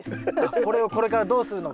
これをこれからどうするのか。